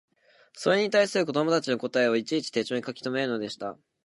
それに対する子供たちの答えをいちいち手帖に書きとめるのでした